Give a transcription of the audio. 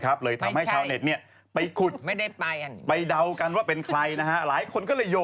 ครับเลยทำให้ชาวเน็ตเนี้ยไม่ได้ไปไปเดากันว่าเป็นใครนะนะหาหลายคนก็